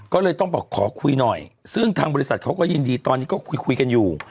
ก็เลยต้องบอกขอคุยหน่อยซึ่งทางบริษัทเขาก็ยินดีตอนนี้ก็คุยกันอยู่